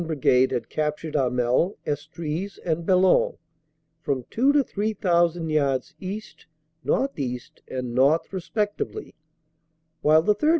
Brigade had captured Hamel, Estrees and Bellonne, from two to three thousand yards east, northeast and north respectively, while the 3rd.